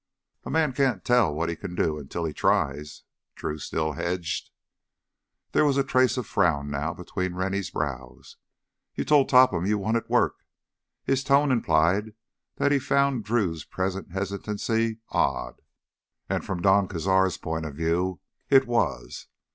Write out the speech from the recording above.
"A man can't tell what he can do until he tries." Drew still hedged. There was a trace of frown now between Rennie's brows. "You told Topham you wanted work." His tone implied that he found Drew's present hesitancy odd. And—from Don Cazar's point of view—it was.